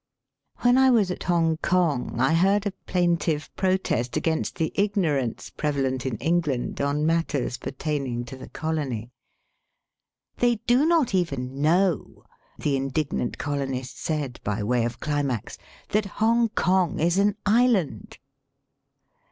When I was at Hongkong I heard a plaintive protest against the ignorance prevalent in England on matters pertaining to the colony. '^ They do not even know," the indignant colonist said, by way of climax, that Hong kong is an island."